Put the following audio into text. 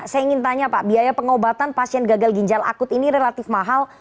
saya ingin tanya pak biaya pengobatan pasien gagal ginjal akut ini relatif mahal